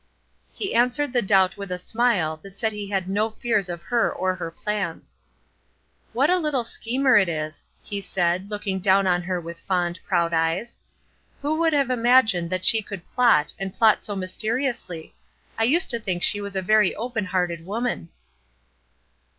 He answered the doubt with a smile that said he had no fears of her or her plans. "What a little schemer it is!" he said, looking down on her with fond, proud eyes. "Who would have imagined that she could plot, and plot so mysteriously? I used to think she was a very open hearted woman."